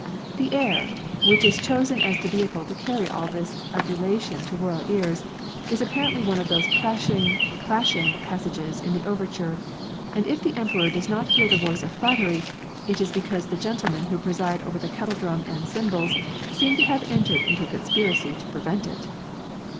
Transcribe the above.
The air, which is chosen as the vehicle to carry all this adulation to royal ears, is apparently one of those crashing, clashing passages in the overture; and if the emperor does not hear the voice of flattery, it is because the gentlemen who preside over the kettle drum and cymbals, seem to have entered into a conspiracy to prevent it.